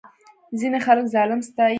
ځینې خلک ظالم ستایي.